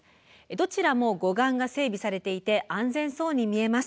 どちらも護岸が整備されていて安全そうに見えます。